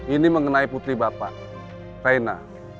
ini mengenai putri bapak rena